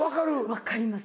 分かります。